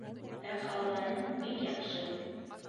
Ә ҡалғаны бик яҡшы.